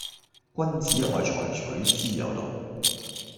君子愛財，取之有道